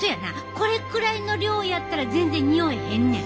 これくらいの量やったら全然におえへんねん。